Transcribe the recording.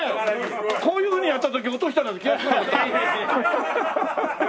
こういうふうにやった時落としたなんて気がつかなかったもん。